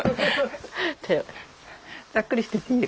ざっくりしてていい。